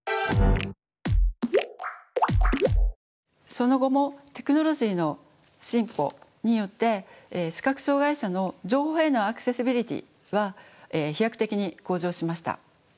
その後もテクノロジーの進歩によって視覚障害者の情報へのアクセシビリティーは飛躍的に向上しました。